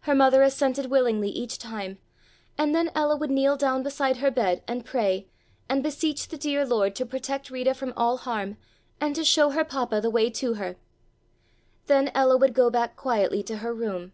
Her mother assented willingly each time, and then Ella would kneel down beside her bed and pray and beseech the dear Lord to protect Rita from all harm and to show her papa the way to her. Then Ella would go back quietly to her room.